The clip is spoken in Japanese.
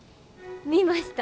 見ました。